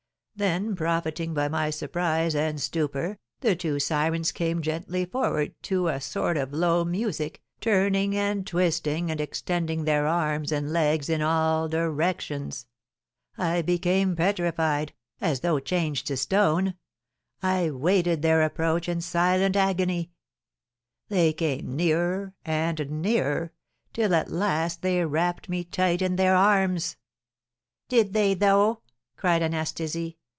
Then, profiting by my surprise and stupor, the two sirens came gently forward to a sort of low music, turning and twisting and extending their arms and legs in all directions. I became petrified, as though changed to stone; I waited their approach in silent agony. They came nearer and nearer, till at last they wrapped me tight in their arms." "Did they, though?" cried Anastasie.